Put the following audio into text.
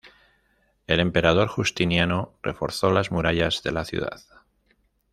El emperador Justiniano reforzó las murallas de la ciudad.